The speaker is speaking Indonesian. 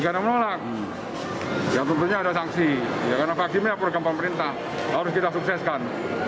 karena vaksinnya program pemerintah harus kita sukseskan